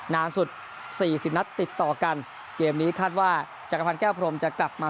นานสุดสี่สิบนัดติดต่อกันเกมนี้คาดว่าจักรพันธ์แก้วพรมจะกลับมา